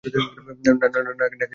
নাকি নীলু একাই চিঠির জবাব দিয়েছে?